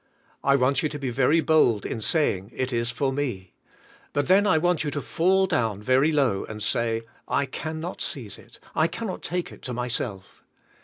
I want you to be very bold in saying, "It is for me." But then I want you to fall down very low and say, " I can not seize it ; I can not take it to myself."